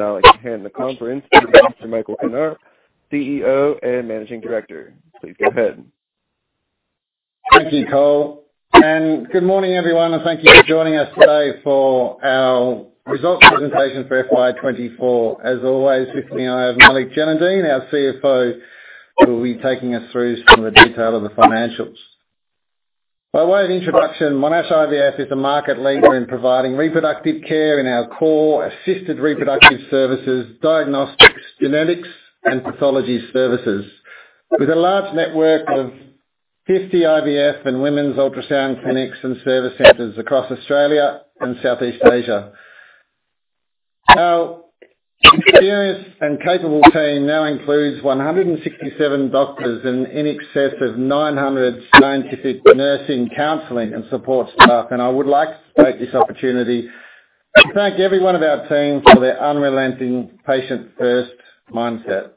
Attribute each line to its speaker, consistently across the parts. Speaker 1: I'll now hand the conference to Mr. Michael Knaap, CEO and Managing Director. Please go ahead.
Speaker 2: Thank you, Cole, and good morning, everyone, and thank you for joining us today for our results presentation for FY 2024. As always, with me, I have Malik Jainudeen, our CFO, who will be taking us through some of the detail of the financials. By way of introduction, Monash IVF is a market leader in providing reproductive care in our core assisted reproductive services, diagnostics, genetics, and pathology services, with a large network of 50 IVF and women's ultrasound clinics and service centers across Australia and Southeast Asia. Our experienced and capable team now includes 167 doctors and in excess of 900 scientific nursing, counseling, and support staff, and I would like to take this opportunity to thank every one of our team for their unrelenting patient-first mindset.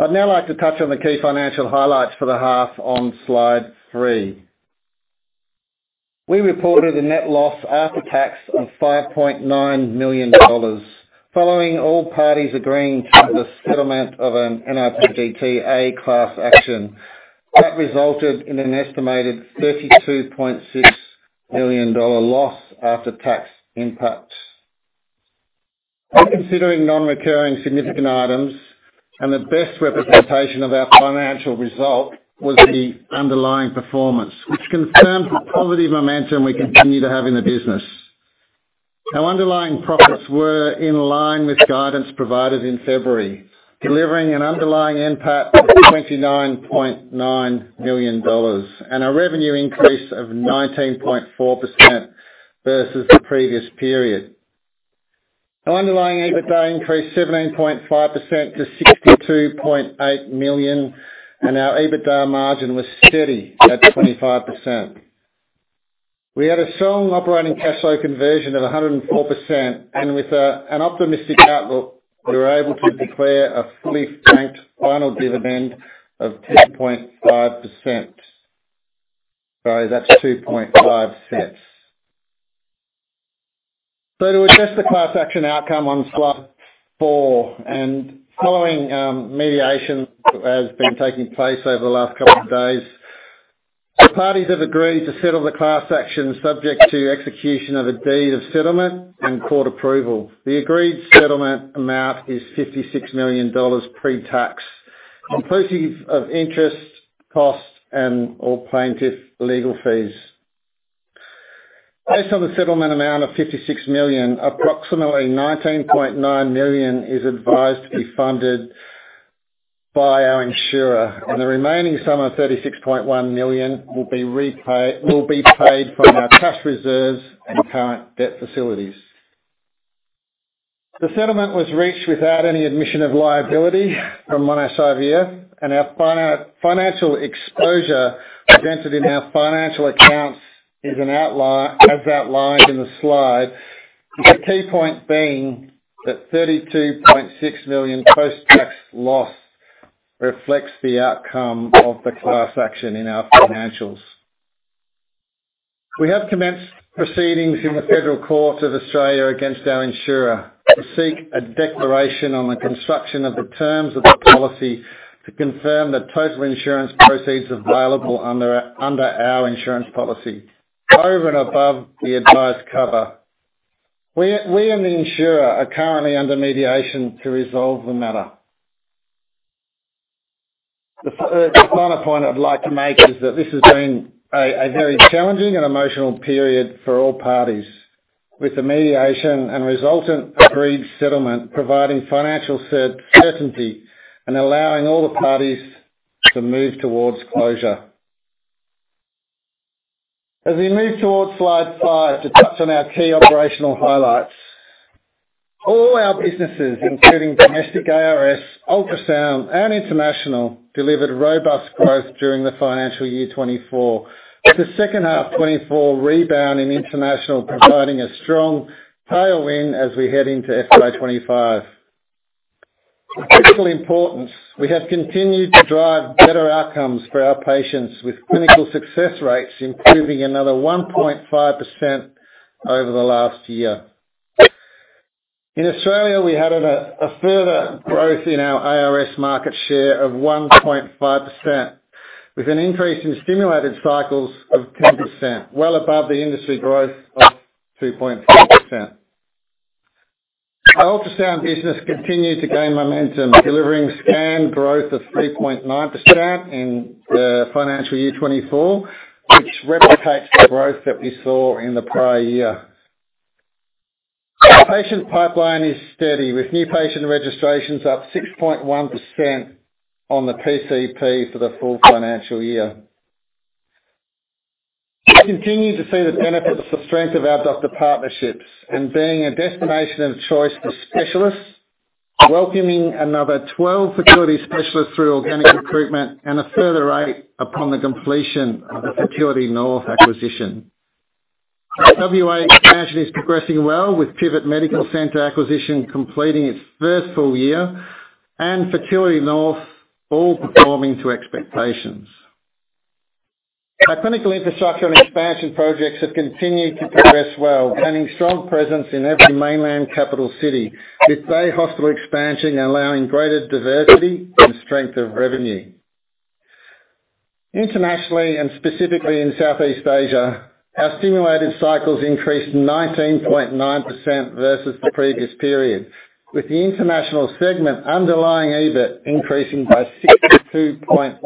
Speaker 2: I'd now like to touch on the key financial highlights for the half on slide 3. We reported a net loss after tax of 5.9 million dollars, following all parties agreeing to the settlement of an niPGT-A class action. That resulted in an estimated 32.6 million dollar loss after-tax impact. When considering non-recurring significant items, and the best representation of our financial result was the underlying performance, which confirms the positive momentum we continue to have in the business. Our underlying profits were in line with guidance provided in February, delivering an underlying NPAT of 29.9 million dollars, and a revenue increase of 19.4% versus the previous period. Our underlying EBITDA increased 17.5% to 62.8 million, and our EBITDA margin was steady at 25%. We had a strong operating cash flow conversion of 104%, and with an optimistic outlook, we were able to declare a fully franked final dividend of 10.5%. Sorry, that's AUD 0.025. To address the class action outcome on slide four, and following mediation has been taking place over the last couple of days, the parties have agreed to settle the class action subject to execution of a deed of settlement and court approval. The agreed settlement amount is 56 million dollars pre-tax, inclusive of interest, costs, and all plaintiff legal fees. Based on the settlement amount of 56 million, approximately 19.9 million is advised to be funded by our insurer, and the remaining sum of 36.1 million will be paid from our cash reserves and current debt facilities. The settlement was reached without any admission of liability from Monash IVF, and our financial exposure presented in our financial accounts is as outlined in the slide. The key point being that 32.6 million post-tax loss reflects the outcome of the class action in our financials. We have commenced proceedings in the Federal Court of Australia against our insurer to seek a declaration on the construction of the terms of the policy to confirm that total insurance proceeds available under our insurance policy, over and above the advised cover. We and the insurer are currently under mediation to resolve the matter. The final point I'd like to make is that this has been a very challenging and emotional period for all parties, with the mediation and resultant agreed settlement providing financial certainty and allowing all the parties to move towards closure. As we move towards slide 5, to touch on our key operational highlights. All our businesses, including Domestic ARS, Ultrasound, and International, delivered robust growth during the financial year 2024, with the second half 2024 rebound in International, providing a strong tailwind as we head into FY 2025. Of critical importance, we have continued to drive better outcomes for our patients, with clinical success rates improving another 1.5% over the last year. In Australia, we had a further growth in our ARS market share of 1.5%, with an increase in stimulated cycles of 10%, well above the industry growth of 2.5%. Our Ultrasound business continued to gain momentum, delivering scan growth of 3.9% in the financial year 2024, which replicates the growth that we saw in the prior year. Our patient pipeline is steady, with new patient registrations up 6.1% on the PCP for the full financial year. We continue to see the benefits of the strength of our doctor partnerships and being a destination of choice for specialists, welcoming another 12 fertility specialists through organic recruitment and a further 8 upon the completion of the Fertility North acquisition. Our WA expansion is progressing well, with PIVET Medical Centre acquisition completing its first full year and Fertility North all performing to expectations. Our clinical infrastructure and expansion projects have continued to progress well, planning strong presence in every mainland capital city, with day hospital expansion allowing greater diversity and strength of revenue. Internationally, and specifically in Southeast Asia, our stimulated cycles increased 19.9% versus the previous period, with the International segment underlying EBIT increasing by 62.1%.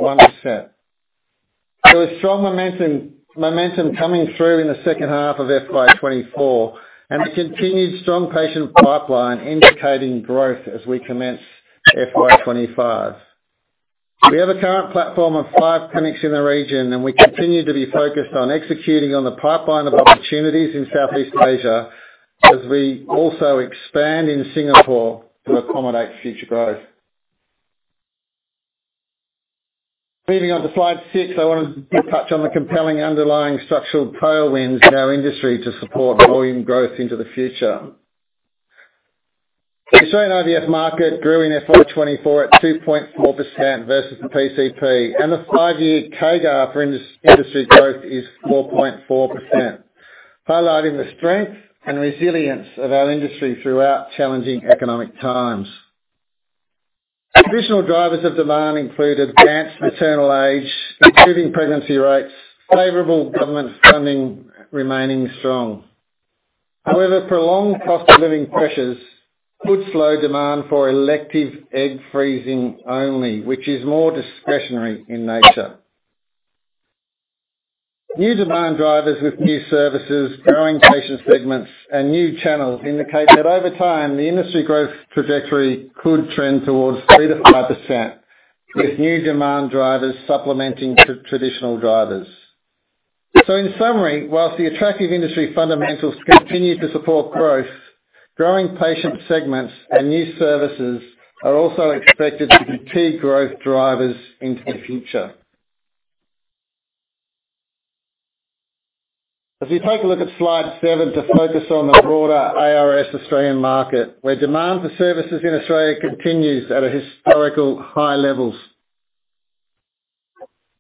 Speaker 2: There was strong momentum coming through in the second half of FY 2024, and a continued strong patient pipeline indicating growth as we commence FY 2025. We have a current platform of five clinics in the region, and we continue to be focused on executing on the pipeline of opportunities in Southeast Asia, as we also expand in Singapore to accommodate future growth. Moving on to slide six, I want to touch on the compelling underlying structural tailwinds in our industry to support volume growth into the future. The Australian IVF market grew in FY 2024 at 2.4% versus the PCP, and the five-year CAGR for industry growth is 4.4%, highlighting the strength and resilience of our industry throughout challenging economic times. Additional drivers of demand include advanced maternal age, improving pregnancy rates, favorable government funding remaining strong. However, prolonged cost of living pressures could slow demand for elective egg freezing only, which is more discretionary in nature. New demand drivers with new services, growing patient segments, and new channels indicate that over time, the industry growth trajectory could trend towards 3%-5%, with new demand drivers supplementing traditional drivers. So in summary, while the attractive industry fundamentals continue to support growth, growing patient segments and new services are also expected to be key growth drivers into the future. If you take a look at slide 7 to focus on the broader ARS Australian market, where demand for services in Australia continues at historically high levels.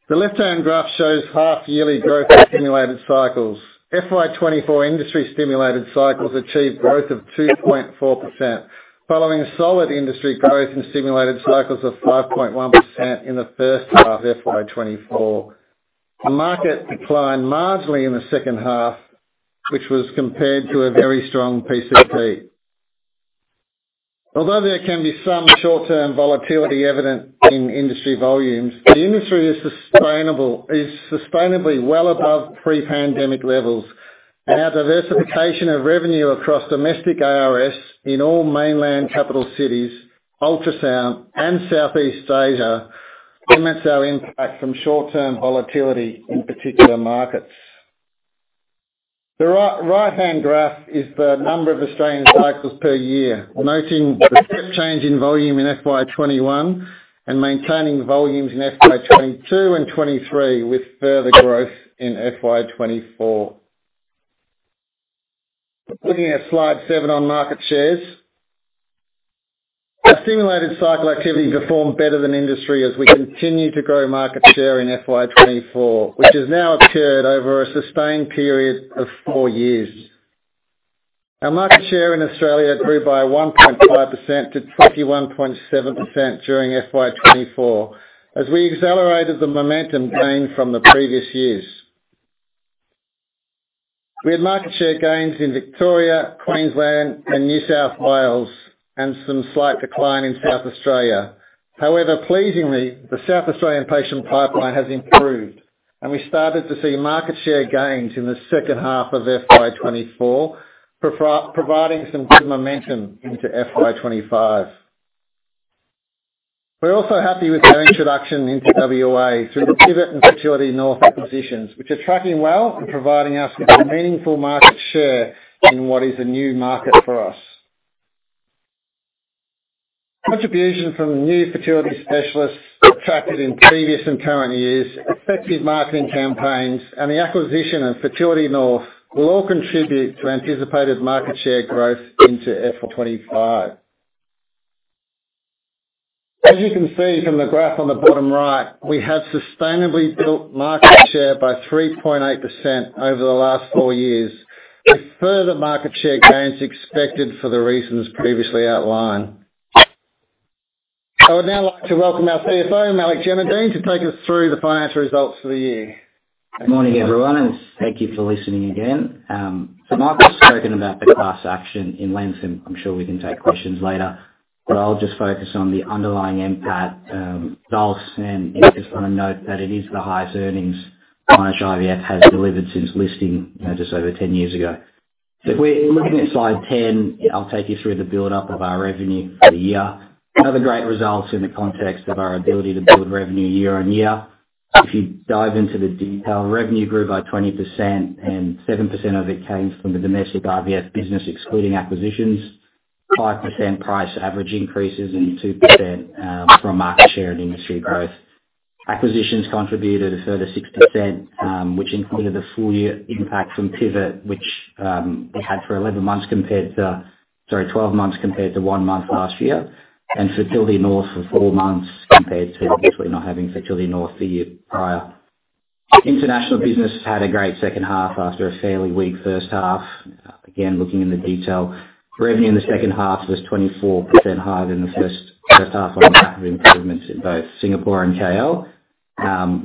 Speaker 2: The left-hand graph shows half-yearly growth in stimulated cycles. FY 2024 industry stimulated cycles achieved growth of 2.4%, following solid industry growth in stimulated cycles of 5.1% in the first half of FY 2024. The market declined largely in the second half, which was compared to a very strong PCP. Although there can be some short-term volatility evident in industry volumes, the industry is sustainable, is sustainably well above pre-pandemic levels, and our diversification of revenue across Domestic ARS in all mainland capital cities, Ultrasound and Southeast Asia limits our impact from short-term volatility in particular markets. The right-hand graph is the number of Australian cycles per year, noting the step change in volume in FY 2021 and maintaining volumes in FY 2022 and 2023, with further growth in FY 2024. Looking at slide 7 on market shares. Our stimulated cycle activity performed better than industry as we continue to grow market share in FY 2024, which has now occurred over a sustained period of four years. Our market share in Australia grew by 1.5% to 21.7% during FY 2024, as we accelerated the momentum gained from the previous years. We had market share gains in Victoria, Queensland, and New South Wales, and some slight decline in South Australia. However, pleasingly, the South Australian patient pipeline has improved, and we started to see market share gains in the second half of FY 2024, providing some good momentum into FY 2025. We're also happy with our introduction into WA through the PIVET and Fertility North acquisitions, which are tracking well and providing us with a meaningful market share in what is a new market for us. Contribution from new fertility specialists attracted in previous and current years, effective marketing campaigns, and the acquisition of Fertility North will all contribute to anticipated market share growth into FY 2025. As you can see from the graph on the bottom right, we have sustainably built market share by 3.8% over the last four years, with further market share gains expected for the reasons previously outlined. I would now like to welcome our CFO, Malik Jainudeen, to take us through the financial results for the year.
Speaker 3: Good morning, everyone, and thank you for listening again. So Michael's spoken about the past year in length, and I'm sure we can take questions later, but I'll just focus on the underlying NPAT results, and just want to note that it is the highest earnings Monash IVF has delivered since listing just over 10 years ago. If we're looking at slide ten, I'll take you through the buildup of our revenue for the year. Another great results in the context of our ability to build revenue year on year. If you dive into the detail, revenue grew by 20%, and 7% of it came from the domestic IVF business, excluding acquisitions, 5% price average increases, and 2% from market share and industry growth. Acquisitions contributed a further 6%, which included a full year impact from PIVET, which we had for 12 months compared to one month last year, and Fertility North for 4 months compared to obviously not having Fertility North the year prior. International business had a great second half after a fairly weak first half. Again, looking in the detail, revenue in the second half was 24% higher than the first half on the back of improvements in both Singapore and KL.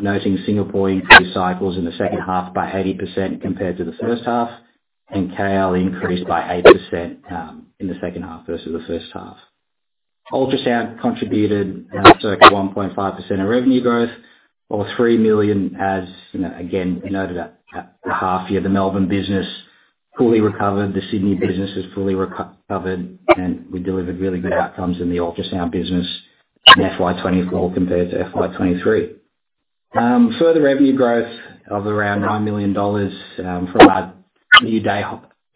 Speaker 3: Noting Singapore increased cycles in the second half by 80% compared to the first half, and KL increased by 8% in the second half versus the first half. Ultrasound contributed around circa 1.5% of revenue growth, or 3 million, as you know, again, we noted at the half year. The Melbourne business fully recovered, the Sydney business is fully recovered, and we delivered really good outcomes in the Ultrasound business in FY 2024 compared to FY 2023. Further revenue growth of around 9 million dollars from our new day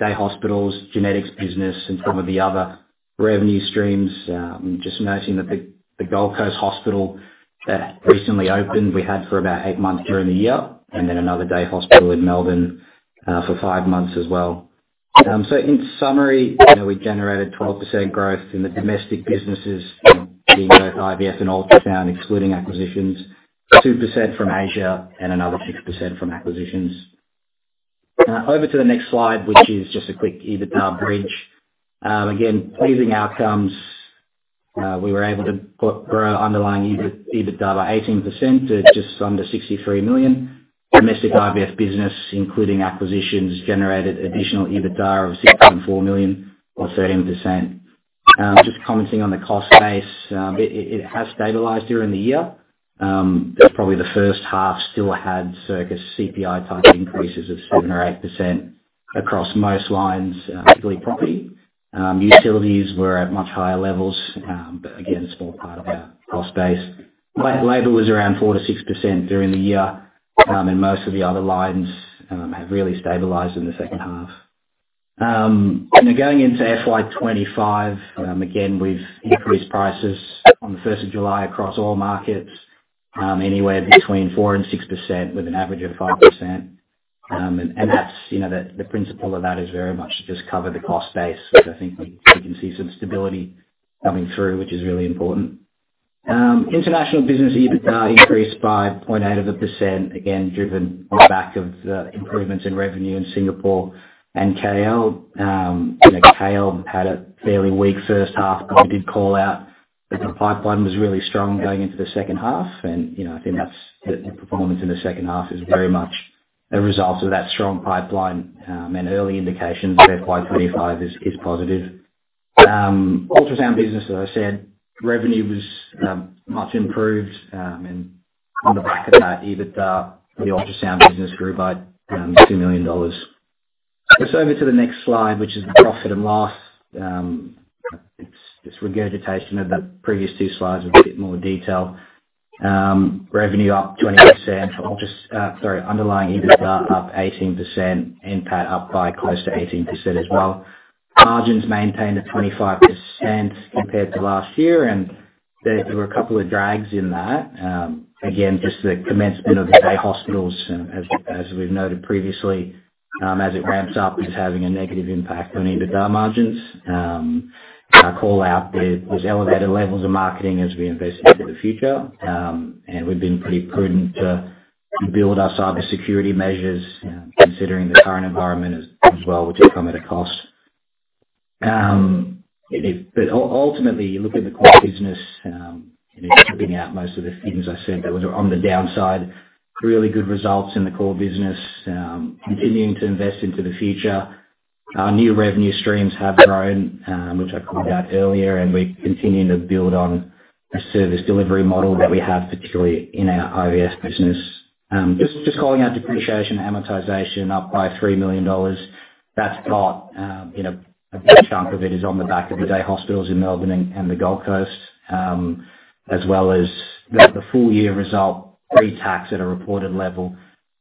Speaker 3: hospitals, genetics business, and some of the other revenue streams. Just noting that the Gold Coast Hospital recently opened, we had for about eight months during the year, and then another day hospital in Melbourne for five months as well. So in summary, you know, we generated 12% growth in the domestic businesses, being both IVF and Ultrasound, excluding acquisitions, 2% from Asia, and another 6% from acquisitions. Over to the next slide, which is just a quick EBITDA bridge. Again, pleasing outcomes. We were able to grow underlying EBITDA by 18% to just under 63 million. Domestic IVF business, including acquisitions, generated additional EBITDA of 64 million or 13%. Just commenting on the cost base, it has stabilized during the year. Probably the first half still had circa CPI type increases of 7% or 8% across most lines, particularly property. Utilities were at much higher levels, but again, a small part of our cost base. Labor was around 4%-6% during the year, and most of the other lines have really stabilized in the second half. Then going into FY 2025, again, we've increased prices on the first of July across all markets, anywhere between 4%-6%, with an average of 5%. That's, you know, the principle of that is very much to just cover the cost base. But I think we can see some stability coming through, which is really important. International business EBITDA increased by 0.8%, again, driven on the back of improvements in revenue in Singapore and KL. You know, KL had a fairly weak first half. I did call out that the pipeline was really strong going into the second half, and, you know, I think that's the performance in the second half is very much a result of that strong pipeline, and early indications that FY 2025 is positive. Ultrasound business, as I said, revenue was much improved, and on the back of that, EBITDA, the Ultrasound business grew by 2 million dollars. Just over to the next slide, which is the profit and loss. It's regurgitation of the previous two slides with a bit more detail. Revenue up 20%. I'll just—sorry, underlying EBITDA up 18%, NPAT up by close to 18% as well. Margins maintained at 25% compared to last year, and there were a couple of drags in that. Again, just the commencement of the day hospitals, as we've noted previously, as it ramps up, is having a negative impact on EBITDA margins. I call out those elevated levels of marketing as we invest into the future, and we've been pretty prudent to build our cybersecurity measures, considering the current environment as well, which do come at a cost. Ultimately, you look at the core business, and stripping out most of the things I said that were on the downside, really good results in the core business. Continuing to invest into the future. Our new revenue streams have grown, which I called out earlier, and we're continuing to build on the service delivery model that we have, particularly in our IVF business. Just calling out depreciation, amortization up by 3 million dollars. That's not, you know, a big chunk of it is on the back of the day hospitals in Melbourne and the Gold Coast, as well as the full year result, pre-tax at a reported level,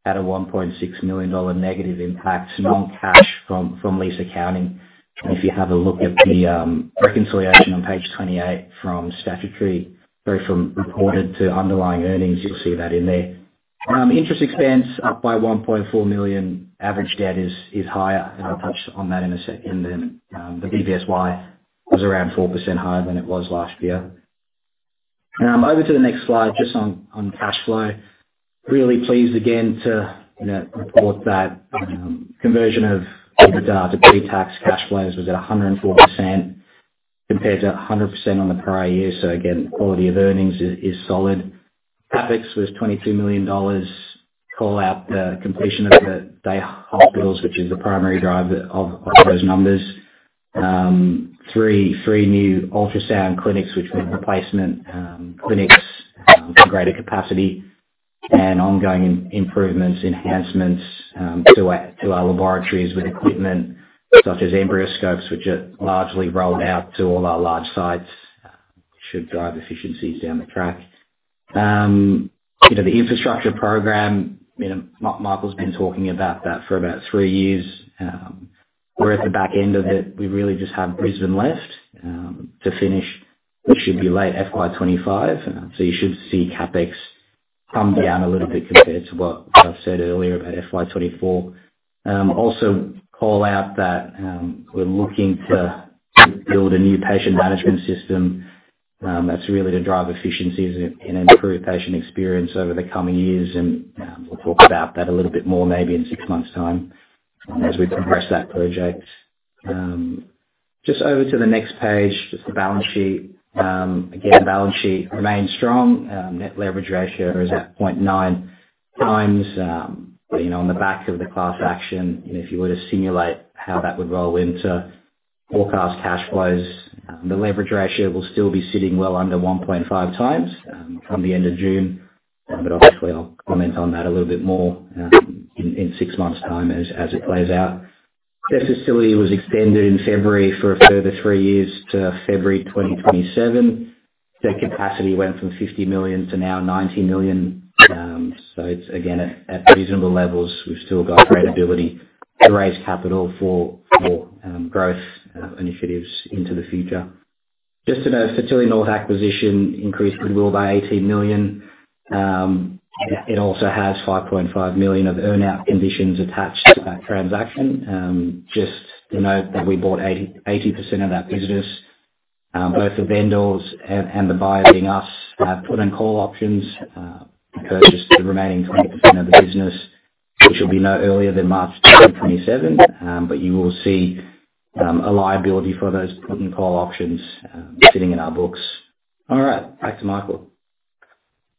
Speaker 3: at a 1.6 million dollar negative impact, non-cash from lease accounting. If you have a look at the reconciliation on page 28, from statutory, sorry, from reported to underlying earnings, you'll see that in there. Interest expense up by 1.4 million. Average debt is higher, and I'll touch on that in a sec, the BBSY was around 4% higher than it was last year. Over to the next slide, just on cash flow. Really pleased again to, you know, report that conversion of EBITDA to pre-tax cash flows was at 104%, compared to 100% on the prior year. So again, quality of earnings is solid. CapEx was 22 million dollars. Call out the completion of the day hospitals, which is the primary driver of those numbers. Three new ultrasound clinics, which were replacement clinics with greater capacity and ongoing improvements, enhancements to our laboratories with equipment such as EmbryoScopes, which are largely rolled out to all our large sites, should drive efficiencies down the track. You know, the infrastructure program, you know, Michael's been talking about that for about three years. We're at the back end of it. We really just have Brisbane left to finish, which should be late FY 2025. So you should see CapEx toned down a little bit compared to what I've said earlier about FY 2024. Also call out that we're looking to build a new patient management system that's really to drive efficiencies and improve patient experience over the coming years, and we'll talk about that a little bit more, maybe in six months' time, as we progress that project. Just over to the next page, just the balance sheet. Again, balance sheet remains strong. Net leverage ratio is at 0.9x. You know, on the back of the class action, and if you were to simulate how that would roll into forecast cash flows, the leverage ratio will still be sitting well under 1.5x from the end of June. But obviously, I'll comment on that a little bit more in six months' time as it plays out. This facility was extended in February for a further three years to February 2027. The capacity went from 50 million to now 90 million. So it's again at reasonable levels. We've still got credibility to raise capital for more growth initiatives into the future. Just to note, Fertility North acquisition increased goodwill by 18 million. It also has 5.5 million of earn-out conditions attached to that transaction. Just to note that we bought 80% of that business. Both the vendors and the buyer, being us, have put and call options to purchase the remaining 20% of the business, which will be no earlier than March 2027. But you will see a liability for those put and call options sitting in our books. All right, back to Michael.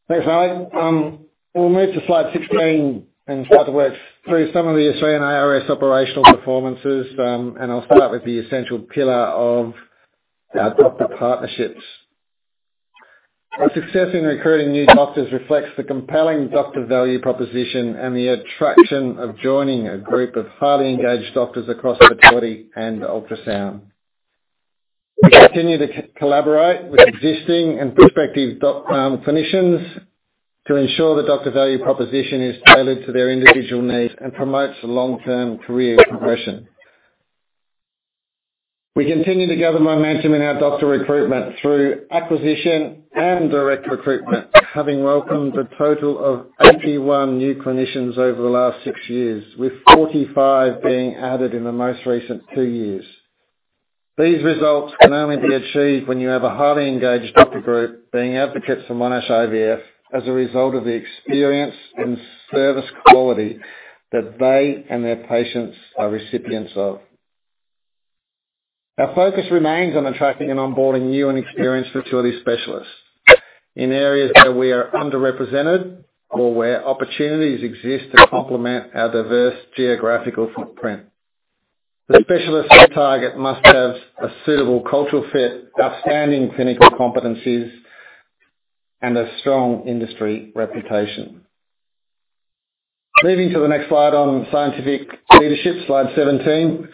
Speaker 2: Thanks, Malik. We'll move to slide 16 and start to work through some of the Australian IVF operational performances, and I'll start with the essential pillar of our doctor partnerships. Our success in recruiting new doctors reflects the compelling doctor value proposition and the attraction of joining a group of highly engaged doctors across Fertility and Ultrasound. We continue to collaborate with existing and prospective clinicians to ensure the doctor value proposition is tailored to their individual needs and promotes long-term career progression. We continue to gather momentum in our doctor recruitment through acquisition and direct recruitment, having welcomed a total of 81 new clinicians over the last six years, with 45 being added in the most recent two years. These results can only be achieved when you have a highly engaged doctor group being advocates for Monash IVF as a result of the experience and service quality that they and their patients are recipients of. Our focus remains on attracting and onboarding new and experienced fertility specialists in areas where we are underrepresented or where opportunities exist to complement our diverse geographical footprint. The specialist target must have a suitable cultural fit, outstanding clinical competencies, and a strong industry reputation. Moving to the next slide on scientific leadership, slide 17.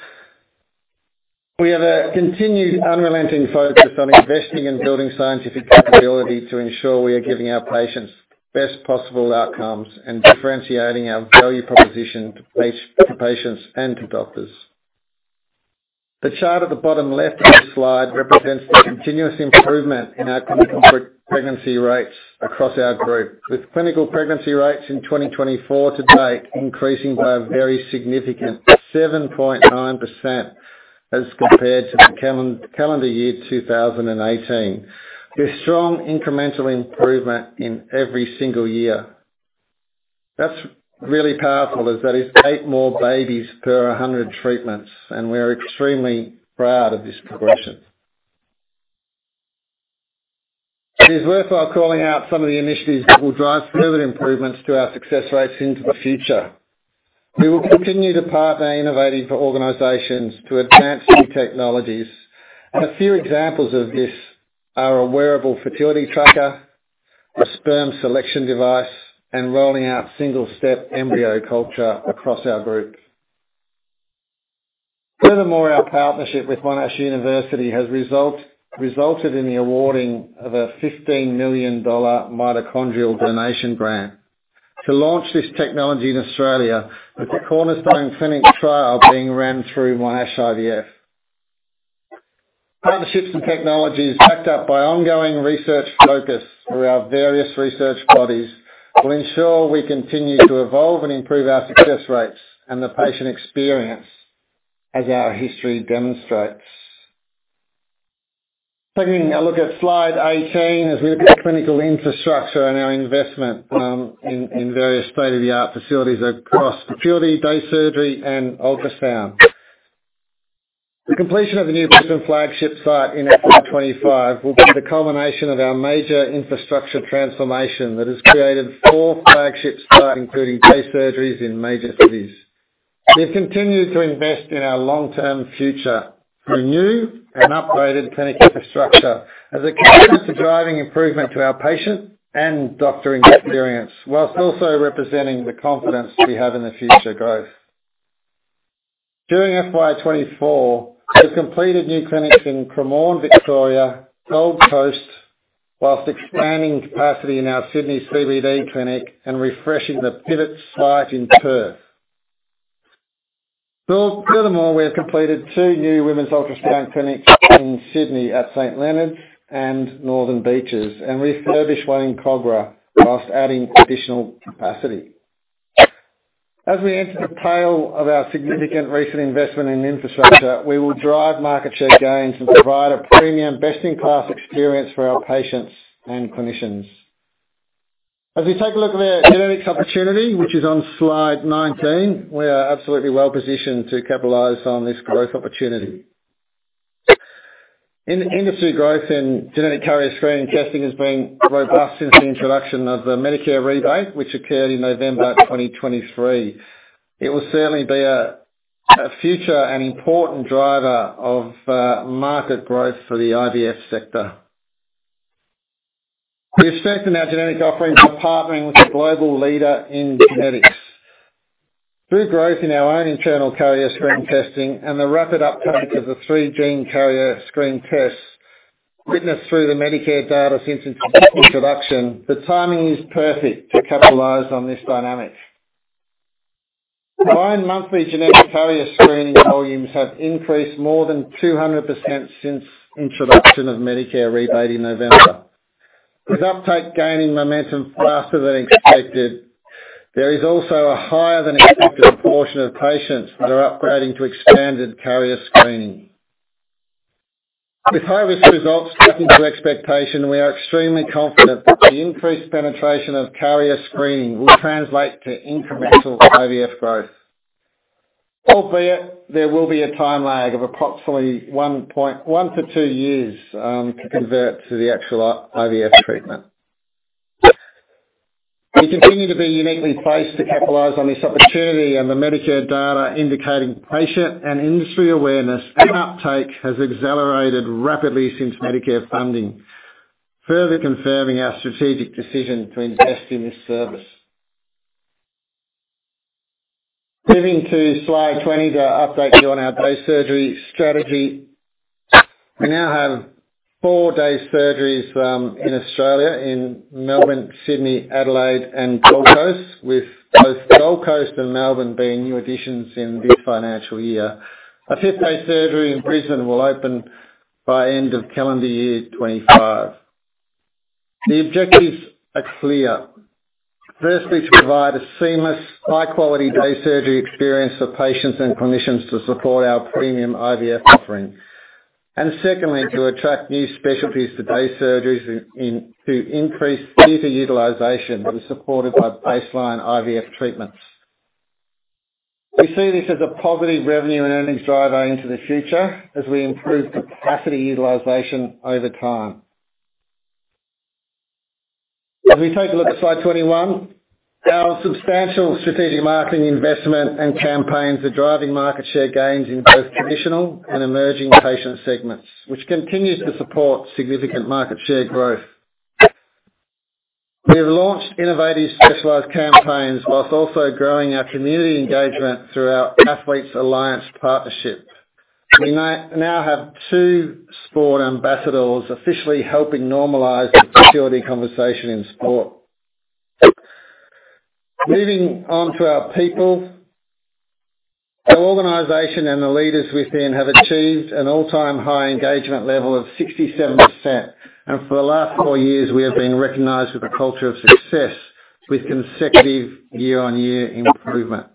Speaker 2: We have a continued unrelenting focus on investing in building scientific capability to ensure we are giving our patients best possible outcomes and differentiating our value proposition to patients and to doctors. The chart at the bottom left of this slide represents the continuous improvement in our clinical pregnancy rates across our group, with clinical pregnancy rates in 2024 to date increasing by a very significant 7.9% as compared to the calendar year 2018. There's strong incremental improvement in every single year. That's really powerful, as that is eight more babies per 100 treatments, and we're extremely proud of this progression. It is worthwhile calling out some of the initiatives that will drive further improvements to our success rates into the future. We will continue to partner innovative organizations to advance new technologies. A few examples of this are a wearable fertility tracker, a sperm selection device, and rolling out single-step embryo culture across our group. Furthermore, our partnership with Monash University has resulted in the awarding of a 15 million dollar mitochondrial donation grant to launch this technology in Australia, with the cornerstone clinical trial being run through Monash IVF. Partnerships and technologies, backed up by ongoing research focus through our various research bodies, will ensure we continue to evolve and improve our success rates and the patient experience as our history demonstrates. Taking a look at slide 18, as we look at clinical infrastructure and our investment in various state-of-the-art facilities across fertility, day surgery, and ultrasound. The completion of the new Brisbane flagship site in FY 2025 will be the culmination of our major infrastructure transformation that has created 4 flagship sites, including day surgeries in major cities. We've continued to invest in our long-term future through new and upgraded clinic infrastructure as a commitment to driving improvement to our patient and doctor experience, while also representing the confidence we have in the future growth. During FY 2024, we've completed new clinics in Cremorne, Victoria, Gold Coast, while expanding capacity in our Sydney CBD clinic and refreshing the PIVET site in Perth. So furthermore, we have completed two new women's ultrasound clinics in Sydney at St Leonards and Northern Beaches, and refurbished one in Kogarah, while adding additional capacity. As we enter the tail of our significant recent investment in infrastructure, we will drive market share gains and provide a premium best-in-class experience for our patients and clinicians. As we take a look at our genetics opportunity, which is on slide 19, we are absolutely well-positioned to capitalize on this growth opportunity. In-industry growth in genetic carrier screening testing has been robust since the introduction of the Medicare rebate, which occurred in November 2023. It will certainly be a future and important driver of market growth for the IVF sector. We expect in our genetic offerings, we're partnering with a global leader in genetics. Through growth in our own internal carrier screen testing and the rapid uptake of the three gene carrier screen tests, witnessed through the Medicare data since introduction, the timing is perfect to capitalize on this dynamic. Our own monthly genetic carrier screening volumes have increased more than 200% since introduction of Medicare rebate in November. With uptake gaining momentum faster than expected, there is also a higher than expected portion of patients that are upgrading to expanded carrier screening. With all these results sticking to expectation, we are extremely confident that the increased penetration of carrier screening will translate to incremental IVF growth, albeit there will be a time lag of approximately one to two years to convert to the actual IVF treatment. We continue to be uniquely placed to capitalize on this opportunity, and the Medicare data indicating patient and industry awareness and uptake has accelerated rapidly since Medicare funding, further confirming our strategic decision to invest in this service. Moving to slide 20, to update you on our day surgery strategy. We now have four day surgeries in Australia, in Melbourne, Sydney, Adelaide, and Gold Coast, with both Gold Coast and Melbourne being new additions in this financial year. A fifth day surgery in Brisbane will open by end of calendar year 2025. The objectives are clear. Firstly, to provide a seamless, high-quality day surgery experience for patients and clinicians to support our premium IVF offering, and secondly, to attract new specialties to day surgeries in to increase theater utilization, with supported by baseline IVF treatments. We see this as a positive revenue and earnings driver into the future as we improve capacity utilization over time. As we take a look at slide 21, our substantial strategic marketing investment and campaigns are driving market share gains in both traditional and emerging patient segments, which continues to support significant market share growth. We have launched innovative specialized campaigns whilst also growing our community engagement through our Athletes Alliance partnership. We now have two sport ambassadors officially helping normalize the fertility conversation in sport. Moving on to our people. Our organization and the leaders within have achieved an all-time high engagement level of 67%, and for the last four years we have been recognized with a culture of success, with consecutive year-on-year improvement.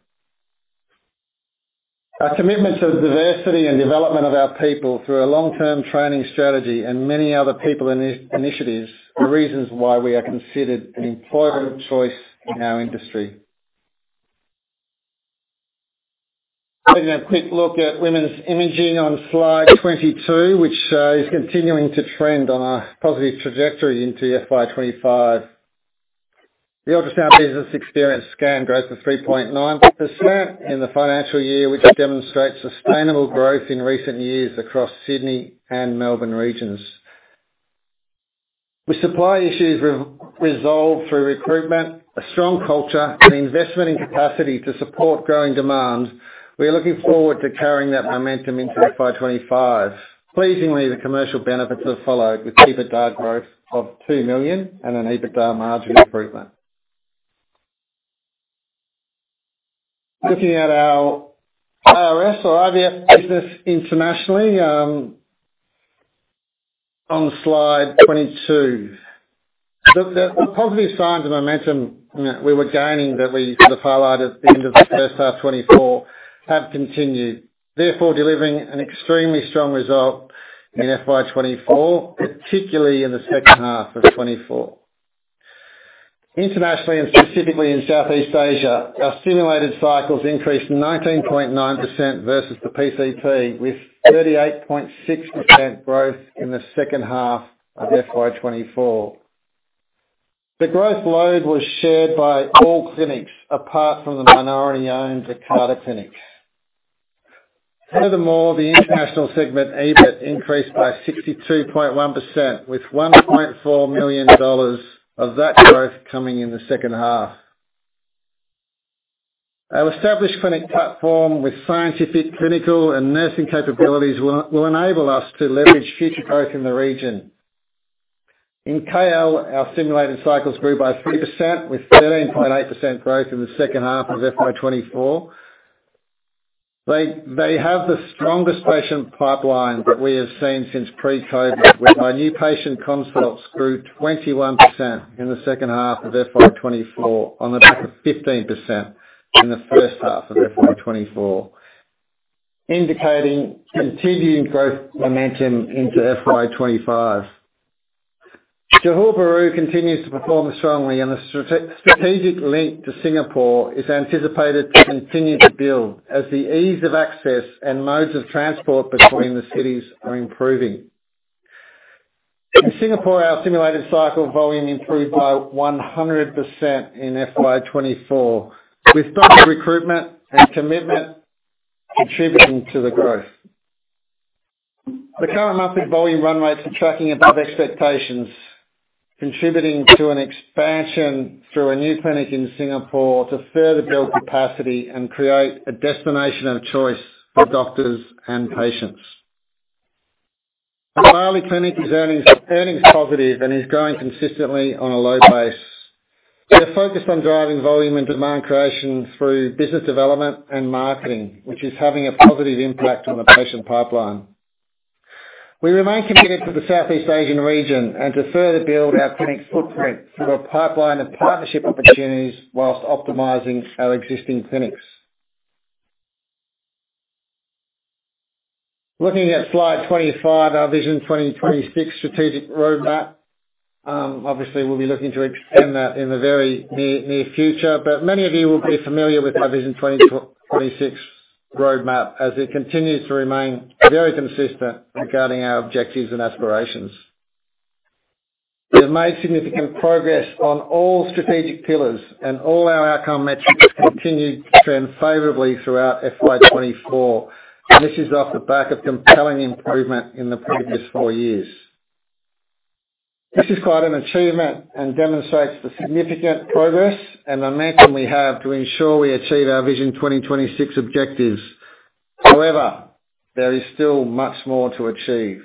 Speaker 2: Our commitment to the diversity and development of our people through a long-term training strategy and many other people initiatives are reasons why we are considered an employer of choice in our industry. Taking a quick look at women's imaging on slide 22, which is continuing to trend on a positive trajectory into FY 2025. The Ultrasound business experienced scan growth of 3.9% in the financial year, which demonstrates sustainable growth in recent years across Sydney and Melbourne regions. With supply issues resolved through recruitment, a strong culture, and investment in capacity to support growing demands, we are looking forward to carrying that momentum into FY 2025. Pleasingly, the commercial benefits have followed with EBITDA growth of 2 million and an EBITDA margin improvement. Looking at our IVF business internationally, on slide 22. Look, the positive signs and momentum we were gaining that we sort of highlighted at the end of the first half 2024 have continued, therefore delivering an extremely strong result in FY 2024, particularly in the second half of 2024. Internationally and specifically in Southeast Asia, our stimulated cycles increased 19.9% versus the PCP, with 38.6% growth in the second half of FY 2024. The growth was led by all clinics, apart from the minority-owned Jakarta clinic. Furthermore, the International segment EBIT increased by 62.1%, with 1.4 million dollars of that growth coming in the second half. Our established clinic platform with scientific, clinical, and nursing capabilities will enable us to leverage future growth in the region. In KL, our stimulated cycles grew by 3%, with 13.8% growth in the second half of FY 2024. They have the strongest patient pipeline that we have seen since pre-COVID, with our new patient consults grew 21% in the second half of FY 2024, on the back of 15% in the first half of FY 2024, indicating continuing growth momentum into FY 2025. Johor Bahru continues to perform strongly, and the strategic link to Singapore is anticipated to continue to build, as the ease of access and modes of transport between the cities are improving. In Singapore, our stimulated cycle volume improved by 100% in FY 2024, with doctor recruitment and commitment contributing to the growth. The current monthly volume run rates are tracking above expectations, contributing to an expansion through a new clinic in Singapore to further build capacity and create a destination of choice for doctors and patients. The Bali clinic is earnings positive and is growing consistently on a low base. We are focused on driving volume and demand creation through business development and marketing, which is having a positive impact on the patient pipeline. We remain committed to the Southeast Asian region and to further build our clinic's footprint through a pipeline of partnership opportunities whilst optimizing our existing clinics. Looking at slide 25, our Vision 2026 strategic roadmap. Obviously, we'll be looking to extend that in the very near future, but many of you will be familiar with our Vision 2026 roadmap, as it continues to remain very consistent regarding our objectives and aspirations. We have made significant progress on all strategic pillars, and all our outcome metrics continued to trend favorably throughout FY 2024, and this is off the back of compelling improvement in the previous four years. This is quite an achievement and demonstrates the significant progress and momentum we have to ensure we achieve our Vision 2026 objectives. However, there is still much more to achieve.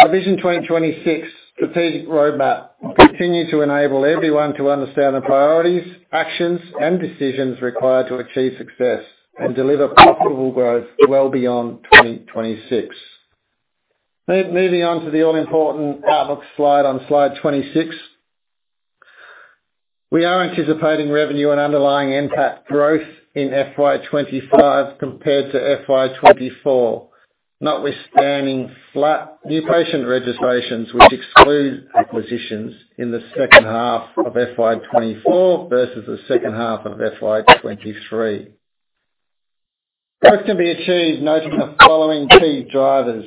Speaker 2: Our Vision 2026 strategic roadmap will continue to enable everyone to understand the priorities, actions, and decisions required to achieve success and deliver profitable growth well beyond 2026. Moving on to the all-important outlook slide on slide 26. We are anticipating revenue and underlying NPAT growth in FY 2025 compared to FY 2024, notwithstanding flat new patient registrations, which exclude acquisitions in the second half of FY 2024 versus the second half of FY 2023. Growth can be achieved noting the following key drivers: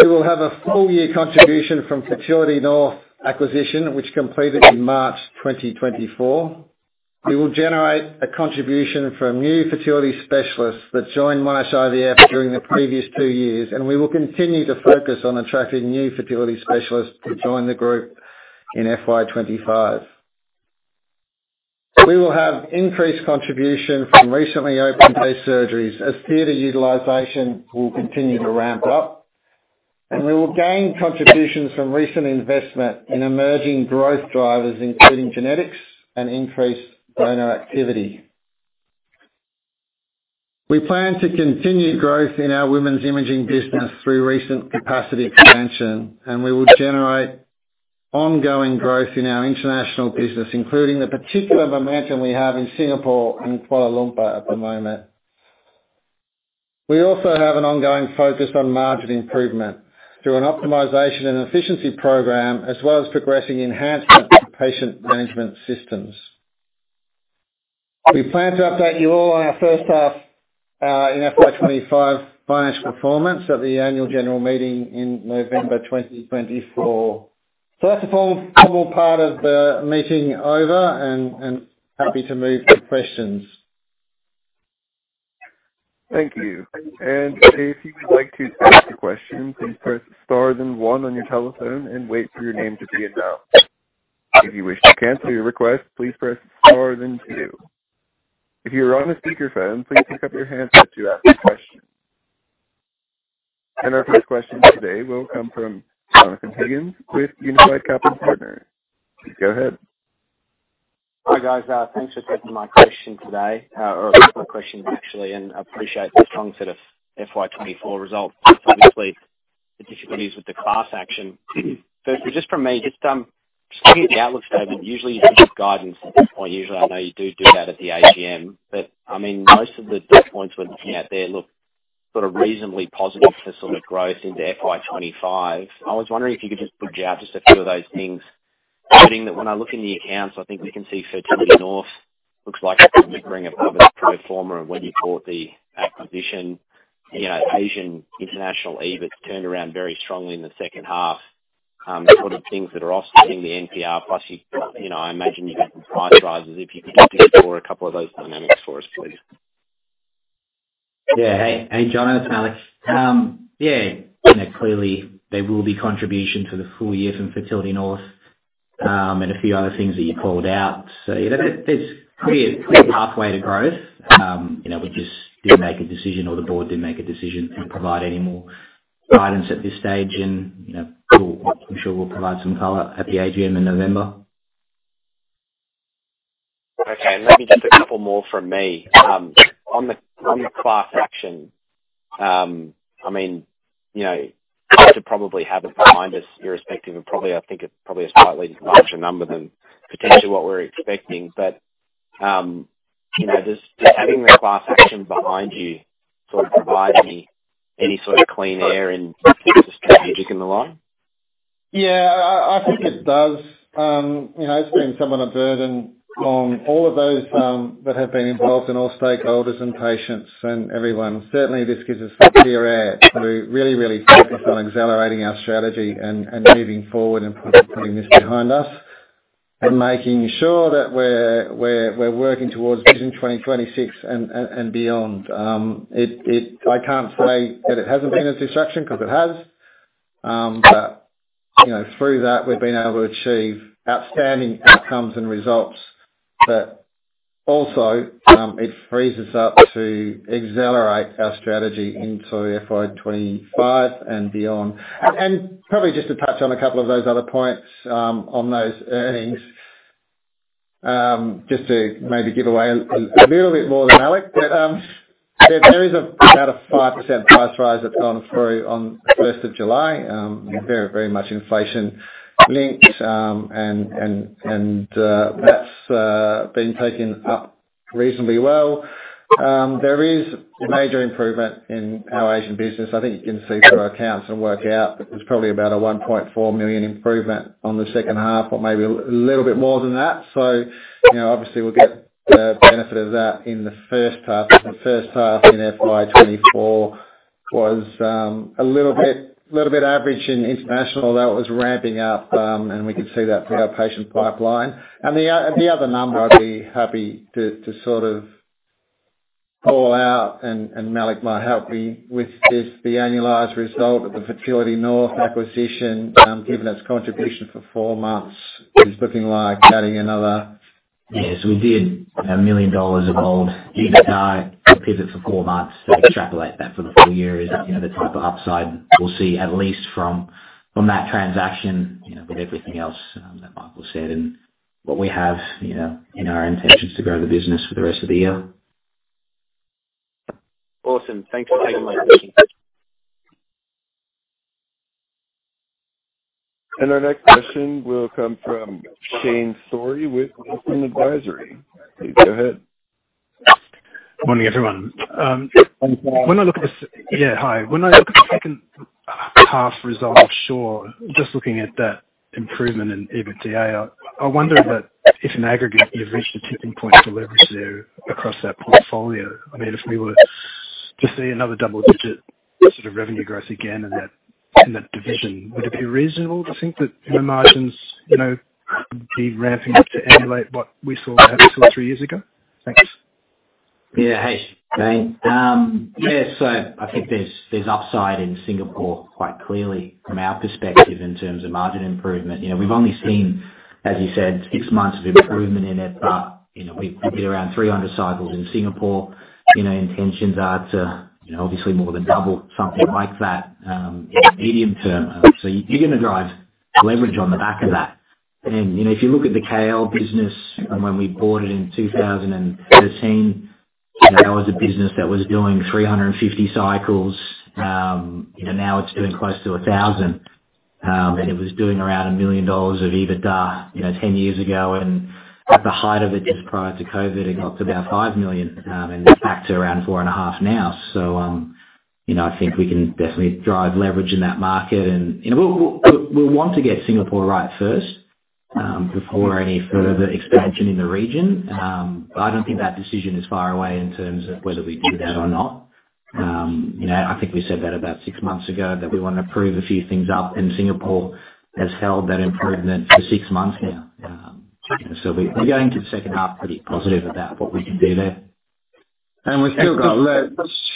Speaker 2: We will have a full year contribution from Fertility North acquisition, which completed in March 2024. We will generate a contribution from new fertility specialists that joined Monash IVF during the previous two years, and we will continue to focus on attracting new fertility specialists to join the group in FY 2025. We will have increased contribution from recently opened day surgeries as theater utilization will continue to ramp up, and we will gain contributions from recent investment in emerging growth drivers, including genetics and increased donor activity. We plan to continue growth in our women's imaging business through recent capacity expansion, and we will generate ongoing growth in our International business, including the particular momentum we have in Singapore and Kuala Lumpur at the moment. We also have an ongoing focus on margin improvement through an optimization and efficiency program, as well as progressing enhancements to patient management systems. We plan to update you all on our first half in FY 2025 financial performance at the Annual General Meeting in November 2024, so that's the formal part of the meeting over, and happy to move to questions.
Speaker 1: Thank you. And if you would like to ask a question, please press star then one on your telephone and wait for your name to be announced. If you wish to cancel your request, please press star then two. If you are on a speakerphone, please pick up your handset to ask a question. And our first question today will come from Jonathon Higgins with Unified Capital Partners. Go ahead.
Speaker 4: Hi, guys. Thanks for taking my question today, or a couple of questions actually, and appreciate the strong set of FY 2024 results, obviously the difficulties with the class action. So just from me, looking at the outlook statement, usually you give us guidance at this point. Usually, I know you do that at the AGM, but I mean, most of the data points we're looking at there look sort of reasonably positive for sort of growth into FY 2025. I was wondering if you could just break out a few of those things, noting that when I look in the accounts, I think we can see Fertility North looks like it didn't bring a public pro forma of when you bought the acquisition. You know, Asian, International, EBIT, it's turned around very strongly in the second half. The sort of things that are also in the NPAT, plus, you know, I imagine you get some price rises, if you could explore a couple of those dynamics for us, please.
Speaker 3: Yeah. Hey, hey, Jonathon. Yeah, you know, clearly there will be contribution for the full year from Fertility North and a few other things that you called out. So, you know, there's a clear pathway to growth. You know, we just didn't make a decision or the board didn't make a decision to provide any more guidance at this stage, and, you know, we'll, I'm sure we'll provide some color at the AGM in November.
Speaker 4: Okay, and maybe just a couple more from me. On the class action, I mean, you know, to probably have it behind us, irrespective and probably, I think it's probably a slightly larger number than potentially what we're expecting. But, you know, does having the class action behind you sort of provide any sort of clean air in strategic in the line?
Speaker 2: Yeah, I think it does. You know, it's been somewhat a burden on all of those that have been involved, and all stakeholders and patients and everyone. Certainly, this gives us some clear air to really, really focus on accelerating our strategy and moving forward and putting this behind us, and making sure that we're working towards Vision 2026 and beyond. I can't say that it hasn't been a distraction, because it has. But, you know, through that, we've been able to achieve outstanding outcomes and results. But also, it frees us up to accelerate our strategy into FY 2025 and beyond. And probably just to touch on a couple of those other points, on those earnings, just to maybe give away a little bit more than Alex. There is a 5% price rise that's gone through on the first of July. Very much inflation linked, and that's been taken up reasonably well. There is a major improvement in our Asian business. I think you can see through our accounts and work out that there's probably about a 1.4 million improvement on the second half, or maybe a little bit more than that. You know, obviously, we'll get the benefit of that in the first half. The first half in FY 2024 was a little bit average in international. That was ramping up, and we can see that through our patient pipeline. And the other number, I'd be happy to sort of call out, and Malik might help me with this, the annualized result of the Fertility North acquisition, given its contribution for four months, is looking like adding another—
Speaker 3: Yes, we did 1 million dollars of old EBITDA, PIVET for four months, then extrapolate that for the full year is, you know, the type of upside we'll see, at least from that transaction, you know, with everything else that Michael said and what we have, you know, in our intentions to grow the business for the rest of the year.
Speaker 4: Awesome. Thanks for taking my question.
Speaker 1: Our next question will come from Shane Storey with Wilsons Advisory. Go ahead.
Speaker 5: Morning, everyone. Yeah, hi. When I look at the second half result, sure, just looking at that improvement in EBITDA, I wonder if in aggregate, you've reached a tipping point of delivery there across that portfolio. I mean, if we were to see another double digit sort of revenue growth again in that, in that division, would it be reasonable to think that the margins, you know, be ramping up to emulate what we saw two or three years ago? Thanks.
Speaker 3: Yeah. Hey, Shane. Yeah, so I think there's upside in Singapore, quite clearly from our perspective, in terms of margin improvement. You know, we've only seen, as you said, six months of improvement in it, but, you know, we've been around 300 cycles in Singapore. You know, intentions are to, you know, obviously more than double, something like that, medium term. So you're gonna drive leverage on the back of that. You know, if you look at the KL business when we bought it in 2018, that was a business that was doing 350 cycles. And now it's doing close to 1,000. And it was doing around 1 million dollars of EBITDA, you know, 10 years ago, and at the height of it, just prior to COVID, it got to about 5 million, and back to around 4.5 million now. So, you know, I think we can definitely drive leverage in that market. And, you know, we'll want to get Singapore right first, before any further expansion in the region. But I don't think that decision is far away in terms of whether we do that or not. You know, I think we said that about 6 months ago, that we want to prove a few things up, and Singapore has held that improvement for 6 months now. So we're going to the second half pretty positive about what we can do there.
Speaker 2: We've still got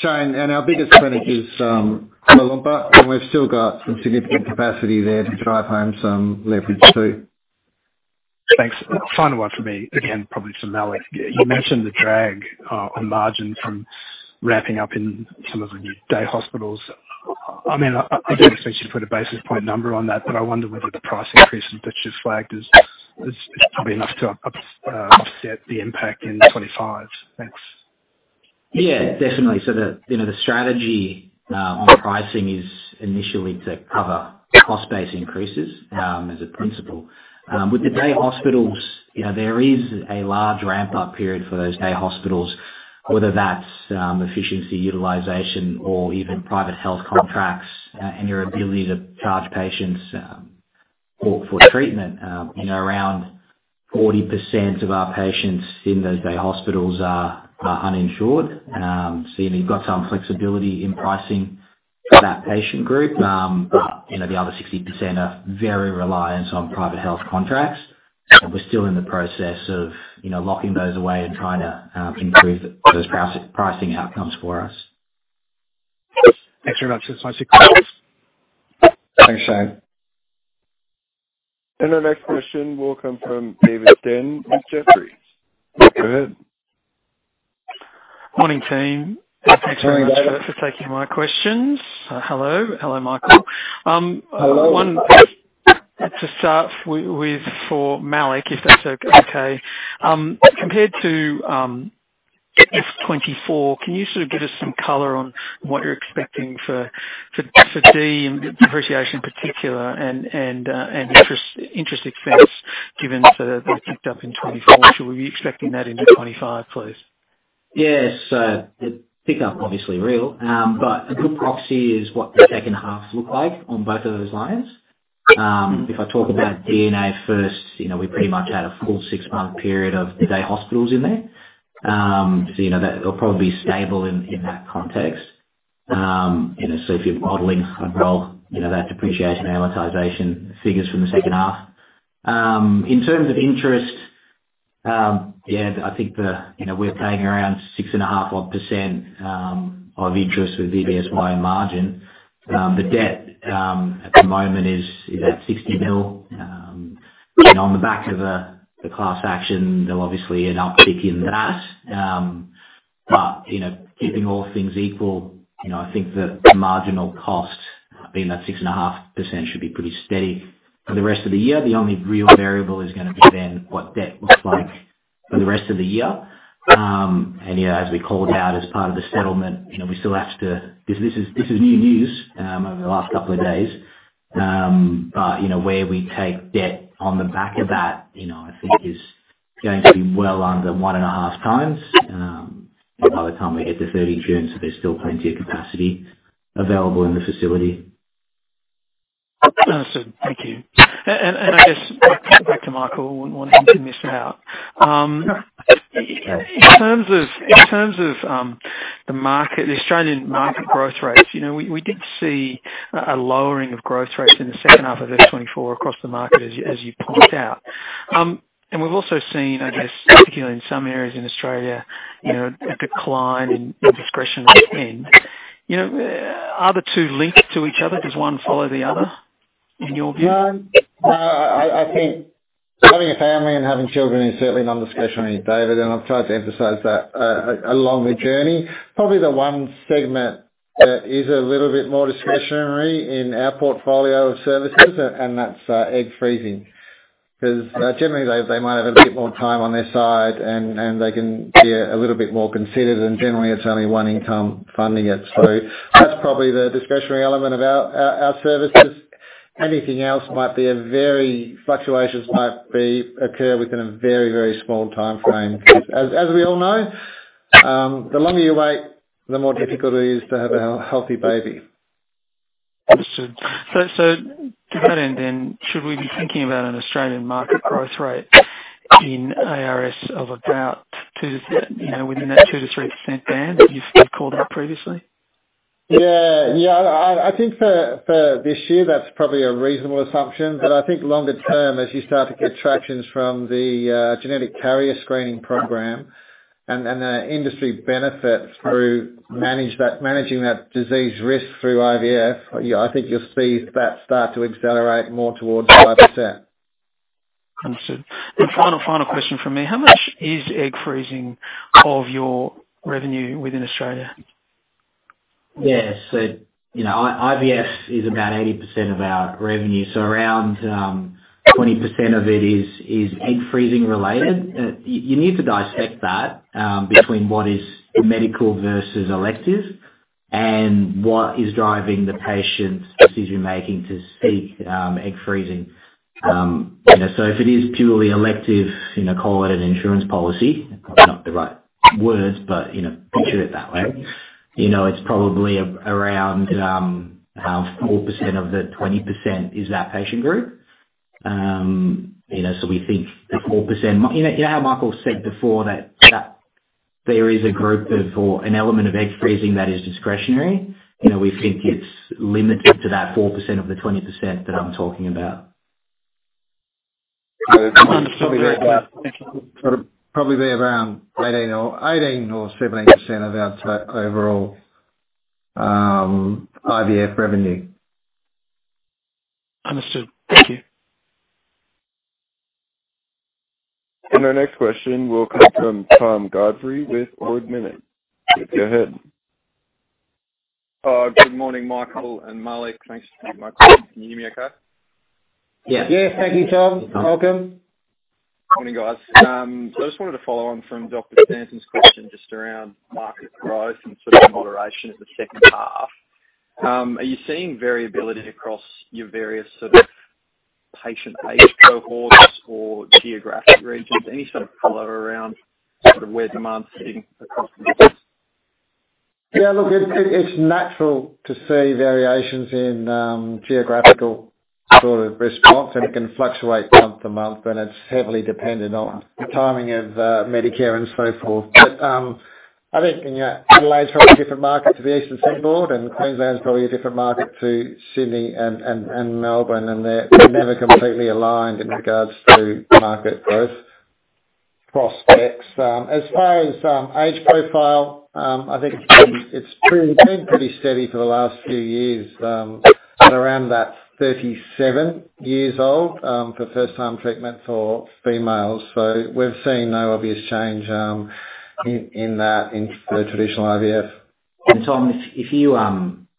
Speaker 2: Shane, and our biggest advantage is Kuala Lumpur, and we've still got some significant capacity there to drive home some leverage, too.
Speaker 5: Thanks. Final one for me, again, probably for Malik. You mentioned the drag on margin from ramping up in some of the new day hospitals. I mean, I don't expect you to put a basis point number on that, but I wonder whether the price increase that you've flagged is probably enough to offset the impact in 2025. Thanks.
Speaker 3: Yeah, definitely. So, you know, the strategy on pricing is initially to cover cost base increases, as a principle. With the day hospitals, you know, there is a large ramp-up period for those day hospitals, whether that's efficiency, utilization, or even private health contracts, and your ability to charge patients for treatment. You know, around 40% of our patients in those day hospitals are uninsured. So you've got some flexibility in pricing for that patient group. But, you know, the other 60% are very reliant on private health contracts, and we're still in the process of, you know, locking those away and trying to improve those pricing outcomes for us.
Speaker 5: Thanks very much. This is my sequence.
Speaker 2: Thanks, Shane.
Speaker 1: And our next question will come from David Stanton with Jefferies. Go ahead.
Speaker 6: Morning, team. Thank you very much for taking my questions. Hello. Hello, Michael. One to start with, for Malik, if that's okay. Compared to FY 2024, can you sort of give us some color on what you're expecting for D&A and depreciation in particular, and interest expense, given sort of the pickup in 2024? Should we be expecting that into 2025, please?
Speaker 3: Yes. So the pickup obviously real, but a good proxy is what the second half look like on both of those lines. If I talk about D&A first, you know, we pretty much had a full six-month period of day hospitals in there. So you know, that it'll probably be stable in that context. You know, so if you're modeling kind of roll, you know, that depreciation and amortization figures from the second half. In terms of interest, yeah, I think the, you know, we're paying around 6.5% or so of interest with BBSY loan margin. The debt at the moment is about 60 million. And on the back of the class action, there'll obviously an uptick in that. You know, keeping all things equal, you know, I think that the marginal cost being that 6.5% should be pretty steady for the rest of the year. The only real variable is gonna be then what debt looks like for the rest of the year. As we called out, as part of the settlement, you know, we still have to—because this is new news over the last couple of days. But, you know, where we take debt on the back of that, you know, I think is going to be well under 1.5x by the time we get to 30 June, so there's still plenty of capacity available in the facility.
Speaker 6: Understood. Thank you. And I guess back to Michael, wouldn't want to miss you out. In terms of the market, the Australian market growth rates, you know, we did see a lowering of growth rates in the second half of FY 2024 across the market, as you pointed out. And we've also seen, I guess, particularly in some areas in Australia, you know, a decline in discretionary spend. You know, are the two linked to each other? Does one follow the other, in your view?
Speaker 2: No, I think having a family and having children is certainly non-discretionary, David, and I've tried to emphasize that along the journey. Probably the one segment that is a little bit more discretionary in our portfolio of services, and that's egg freezing. Because generally, they might have a bit more time on their side and they can be a little bit more considered, and generally it's only one income funding it through. That's probably the discretionary element of our services. Anything else, fluctuations might occur within a very, very small timeframe. As we all know, the longer you wait, the more difficult it is to have a healthy baby.
Speaker 6: Understood. So to that end then, should we be thinking about an Australian market growth rate in ARS of about 2%-3%, you know, within that 2%-3% band that you've called out previously?
Speaker 2: Yeah. Yeah, I think for this year, that's probably a reasonable assumption, but I think longer term, as you start to get tractions from the genetic carrier screening program and the industry benefits through managing that disease risk through IVF, yeah, I think you'll see that start to accelerate more towards 5%.
Speaker 6: Understood. And final, final question from me. How much is egg freezing of your revenue within Australia?
Speaker 3: Yeah. So, you know, IVF is about 80% of our revenue, so around 20% of it is egg freezing-related. You need to dissect that between what is medical versus elective and what is driving the patient's decision-making to seek egg freezing. You know, so if it is purely elective, you know, call it an insurance policy, not the right words, but, you know, picture it that way. You know, it's probably around 4% of the 20% is that patient group. You know, so we think the 4%. You know, you know how Michael said before that there is a group of, or an element of egg freezing that is discretionary? You know, we think it's limited to that 4% of the 20% that I'm talking about.
Speaker 2: Probably be around 18% or 18% or 17% of our sort of overall IVF revenue.
Speaker 6: Understood. Thank you.
Speaker 1: And our next question will come from Tom Godfrey with Ord Minnett. Go ahead.
Speaker 7: Good morning, Michael and Malik. Thanks for taking my call. Can you hear me okay?
Speaker 3: Yeah.
Speaker 2: Yes. Thank you, Tom. Welcome.
Speaker 7: Morning, guys. So I just wanted to follow on from Dr. Stanton's question, just around market growth and sort of moderation in the second half. Are you seeing variability across your various sort of patient age cohorts or geographic regions? Any sort of color around sort of where demand's sitting across the business?
Speaker 2: Yeah, look, it's natural to see variations in geographical sort of response, and it can fluctuate month to month, and it's heavily dependent on the timing of Medicare and so forth. But I think, you know, Adelaide's probably a different market to the Eastern Seaboard, and Queensland is probably a different market to Sydney and Melbourne, and they're never completely aligned in regards to market growth prospects. As far as age profile, I think it's been pretty steady for the last few years at around that thirty-seven years old for first-time treatment for females. So we've seen no obvious change in that in the traditional IVF.
Speaker 3: And Tom, if you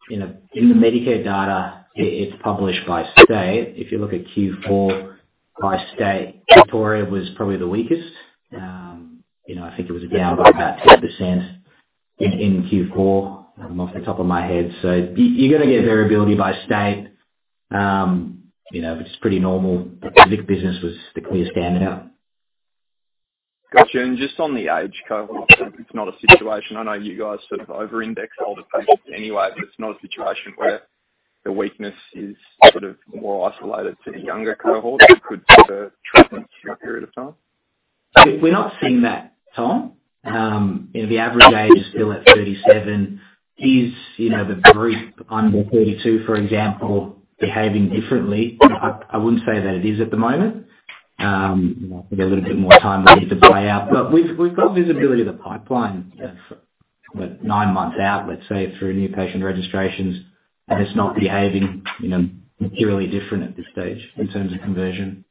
Speaker 3: you know, in the Medicare data, it's published by state. If you look at Q4 by state, Victoria was probably the weakest. You know, I think it was down by about 10% in Q4, off the top of my head. So you're gonna get variability by state, you know, which is pretty normal. But the Victoria business was the clear standing out.
Speaker 7: Got you. And just on the age cohort, it's not a situation, I know you guys sort of over-index older patients anyway, but it's not a situation where the weakness is sort of more isolated to the younger cohort, that could affect treatment for a period of time?
Speaker 3: We're not seeing that, Tom. You know, the average age is still at 37. Is you know, the group under 32, for example, behaving differently? I wouldn't say that it is at the moment. You know, I think a little bit more time we need to play out, but we've got visibility of the pipeline of, what, 9 months out let's say, through new patient registrations, and it's not behaving, you know, materially different at this stage in terms of conversion.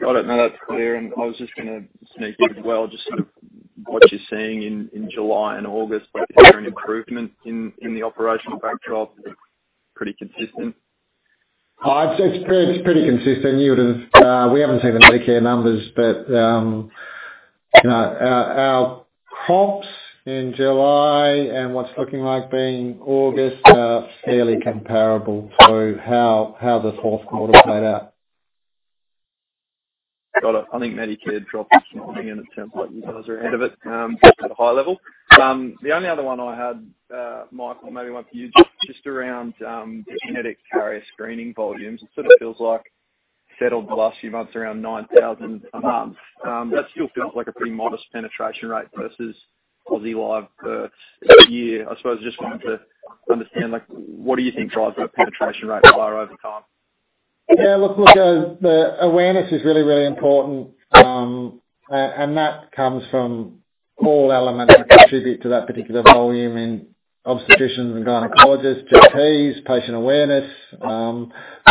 Speaker 7: Got it. No, that's clear. And I was just gonna sneak in as well, just sort of what you're seeing in July and August, whether there's an improvement in the operational backdrop? Pretty consistent.
Speaker 2: It's pretty consistent. You would've, we haven't seen the Medicare numbers, but you know, our comps in July and what's looking like being August are fairly comparable to how the fourth quarter played out.
Speaker 7: Got it. I think Medicare dropped this morning, and it sounds like you guys are ahead of it, at a high level. The only other one I had, Michael, maybe one for you, just around, the genetic carrier screening volumes. It sort of feels like settled the last few months around 9,000 a month. That still feels like a pretty modest penetration rate versus Aussie live births a year. I suppose I just wanted to understand, like, what do you think drives that penetration rate higher over time?
Speaker 2: Yeah, look, the awareness is really, really important. And that comes from all elements that contribute to that particular volume in obstetricians and gynecologists, GPs, patient awareness.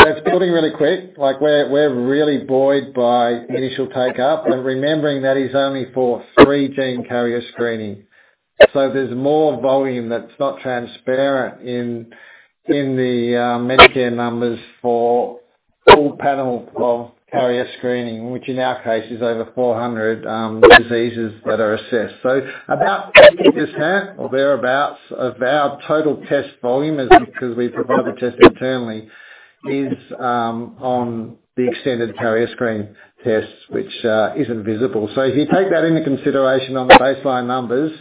Speaker 2: It's building really quick. Like, we're really buoyed by initial take-up, and remembering that is only for three gene carrier screening. So there's more volume that's not transparent in the Medicare numbers for full panel of carrier screening, which in our case is over four hundred diseases that are assessed. So about fifty, or thereabout, of our total test volume is, because we provide the test internally, on the extended carrier screen tests, which isn't visible. So if you take that into consideration on the baseline numbers,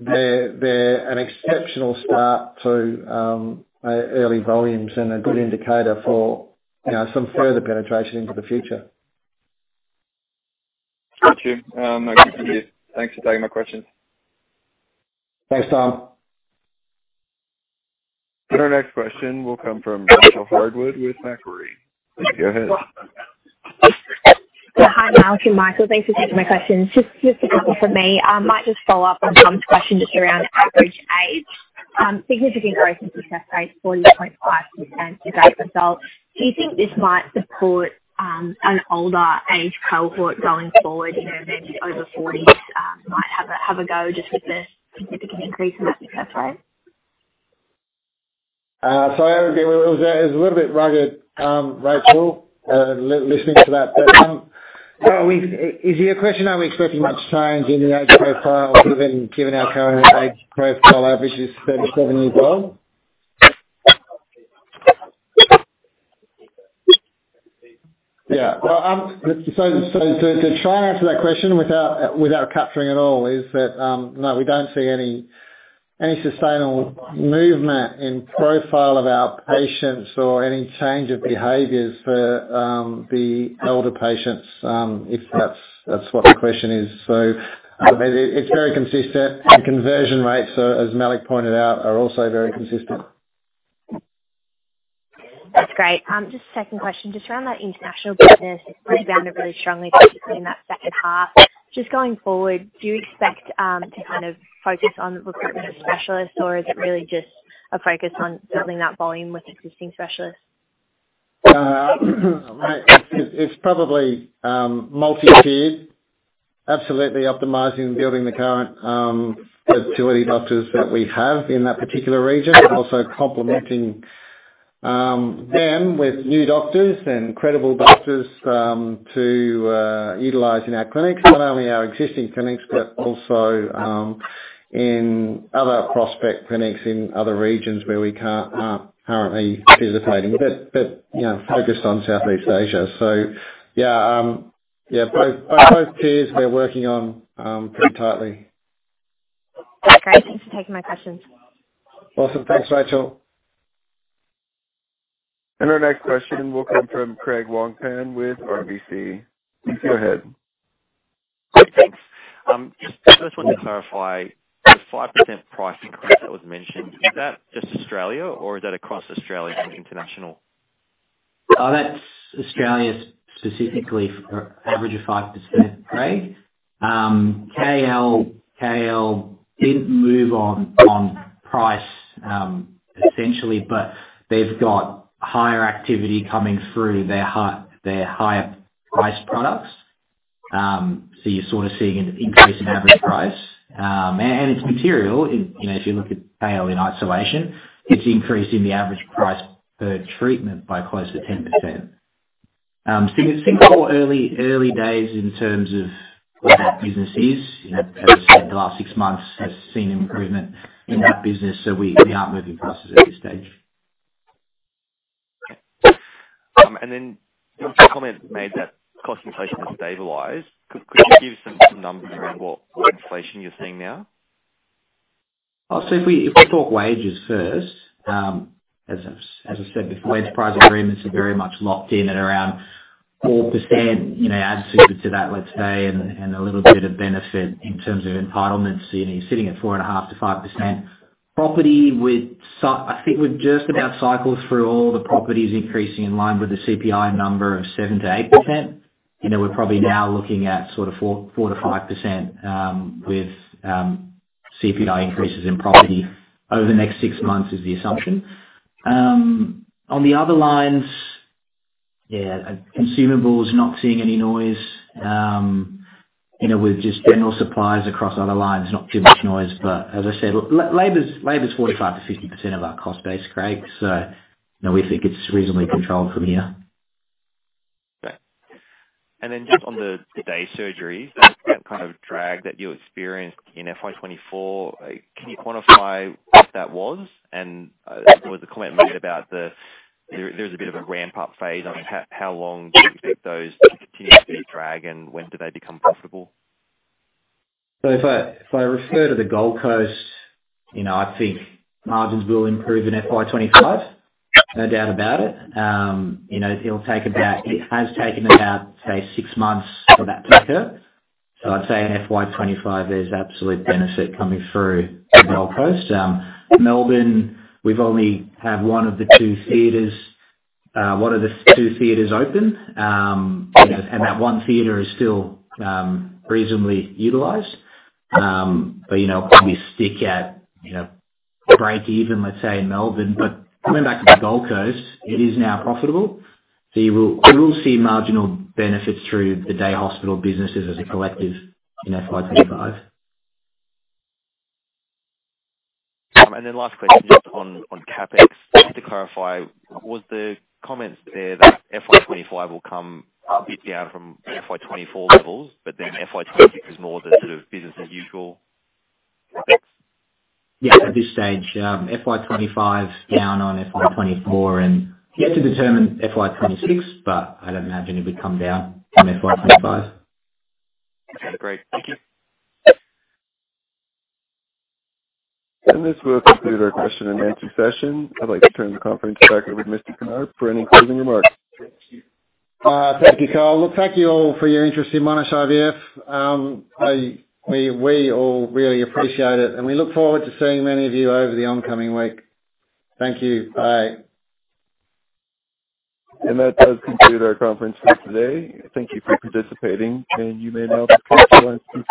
Speaker 2: they're an exceptional start to early volumes and a good indicator for, you know, some further penetration into the future.
Speaker 7: Got you. Thanks for taking my questions.
Speaker 2: Thanks, Tom.
Speaker 1: And our next question will come from Rachael Harwood with Macquarie. Go ahead.
Speaker 8: Hi, Malik and Michael. Thanks for taking my questions. Just a couple from me. Might just follow up on Tom's question just around average age, significant growth in success rate, 40.5% today results. Do you think this might support an older age cohort going forward, you know, maybe over forties, might have a go just with the significant increase in that success rate?
Speaker 2: So it was a little bit rugged, Rachael, listening to that. But we've. Is your question, are we expecting much change in the age profile, given our current age profile average is 37 years old? Yeah, well, so to try and answer that question without capturing it all, is that no, we don't see any sustainable movement in profile of our patients or any change of behaviors for the elder patients, if that's what the question is. So it it's very consistent. The conversion rates, as Malik pointed out, are also very consistent.
Speaker 8: That's great. Just a second question, just around that International business, you bounded really strongly, particularly in that second half. Just going forward, do you expect to kind of focus on recruitment of specialists, or is it really just a focus on building that volume with existing specialists?
Speaker 2: It's probably multi-tiered. Absolutely optimizing and building the current fertility doctors that we have in that particular region, and also complementing them with new doctors and credible doctors to utilize in our clinics. Not only our existing clinics, but also in other prospect clinics in other regions where we can't currently facilitating, but you know, focused on Southeast Asia. So yeah, both tiers we are working on pretty tightly.
Speaker 8: That's great. Thanks for taking my questions.
Speaker 2: Awesome. Thanks, Rachael.
Speaker 1: And our next question will come from Craig Wong-Pan with RBC. Go ahead.
Speaker 9: Thanks. Just, I just wanted to clarify, the 5% price increase that was mentioned, is that just Australia or is that across Australia and International?
Speaker 3: That's Australia specifically, for average of 5%, Craig. KL didn't move on price, essentially, but they've got higher activity coming through their higher price products. So you're sort of seeing an increase in average price. And it's material, you know, if you look at KL in isolation, it's increasing the average price per treatment by close to 10%. So it's still early days in terms of where that business is. You know, as I said, the last six months has seen an improvement in that business, so we aren't moving prices at this stage.
Speaker 9: Okay. And then there was a comment made that cost inflation has stabilized. Could you give us some numbers around what inflation you're seeing now?
Speaker 3: So if we talk wages first, as I've said before, wage price agreements are very much locked in at around 4%, you know, add super to that, let's say, and a little bit of benefit in terms of entitlements, you know, you're sitting at 4.5% to 5%. Property with some—I think we've just about cycled through all the properties increasing in line with the CPI number of 7%-8%. You know, we're probably now looking at sort of 4%-5%, with CPI increases in property over the next six months is the assumption. On the other lines, consumables, not seeing any noise. You know, with just general suppliers across other lines, not too much noise, but as I said, labor's 45%-50% of our cost base, Craig, so, you know, we think it's reasonably controlled from here.
Speaker 9: Okay. And then just on the day surgeries, that kind of drag that you experienced in FY 2024, can you quantify what that was? And there was a comment made about there's a bit of a ramp-up phase. I mean, how long do you expect those to continue to be a drag, and when do they become profitable?
Speaker 3: So if I refer to the Gold Coast, you know, I think margins will improve in FY 2025, no doubt about it. You know, it'll take about. It has taken about, say, six months for that to occur. So I'd say in FY 2025, there's absolute benefit coming through the Gold Coast. Melbourne, we've only had one of the two theaters open. You know, and that one theater is still reasonably utilized. But, you know, probably stick at, you know, breakeven, let's say, in Melbourne. But coming back to the Gold Coast, it is now profitable, so we will see marginal benefits through the day hospital businesses as a collective in FY 2025.
Speaker 9: And then last question, just on CapEx. Just to clarify, was the comments there that FY 2025 will come a bit down from FY 2024 levels, but then FY 2026 is more the sort of business as usual CapEx?
Speaker 3: Yeah, at this stage, FY 2025 is down on FY 2024, and yet to determine FY 2026, but I'd imagine it would come down from FY 2025.
Speaker 9: Okay, great. Thank you.
Speaker 1: This will conclude our question and answer session. I'd like to turn the conference back over to Mr. Knaap for any closing remarks.
Speaker 2: Thank you, Cole. Well, thank you all for your interest in Monash IVF. We all really appreciate it, and we look forward to seeing many of you over the oncoming week. Thank you. Bye.
Speaker 1: That does conclude our conference for today. Thank you for participating, and you may now disconnect your line.